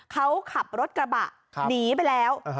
เขาขับรถกระบะหนีไปแล้ว